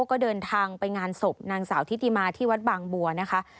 ก็เดินทางไปงานศพนางสาวทิติมาที่วัดบางบัวนะคะ